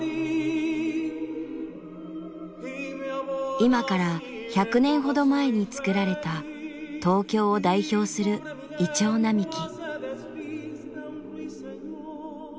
今から１００年ほど前につくられた東京を代表する銀杏並木。